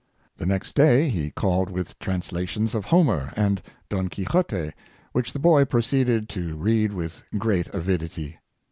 The next day he called with translations of Homer and '' Don Quixote," which the boy proceeded to read with great avidity.